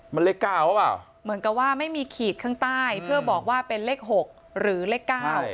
มันเลขเก้าหรือเปล่าเหมือนกับว่าไม่มีขีดข้างใต้เพื่อบอกว่าเป็นเลขหกหรือเลขเก้า